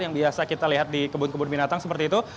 yang biasa kita lihat di kebun kebun binatang seperti itu